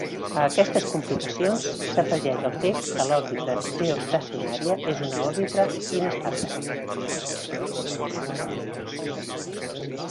A aquestes complicacions s'afegeix el fet que l'òrbita geoestacionària és una òrbita inestable.